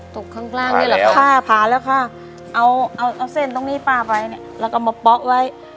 ตกข้างล่างนี่แหละผ้าผ่านแล้วค่ะเอาเอาเส้นตรงนี้ป้าไปเนี่ยแล้วก็มาเป๊ะไว้